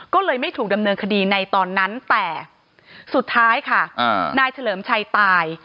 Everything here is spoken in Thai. ก็เลยไม่ถูกดำเนินคดีในตอนนั้นแต่สุดท้ายค่ะนายเฉลิมชัยตาย